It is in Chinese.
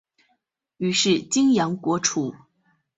于是泾阳国除。